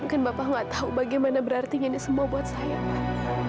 mungkin bapak nggak tahu bagaimana berarti ini semua buat saya pak